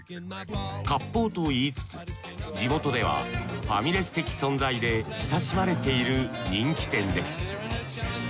割烹と言いつつ地元ではファミレス的存在で親しまれている人気店です。